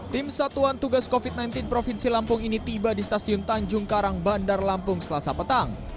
tim satuan tugas covid sembilan belas provinsi lampung ini tiba di stasiun tanjung karang bandar lampung selasa petang